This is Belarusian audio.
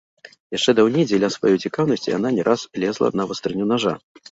Яшчэ даўней дзеля сваёй цікаўнасці яна не раз лезла на вастрыню нажа.